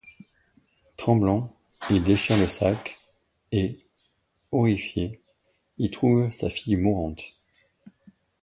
Tremblant, il déchire le sac, et, horrifié, y trouve sa fille mourante.